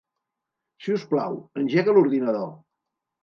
Si us plau, engega l'ordinador.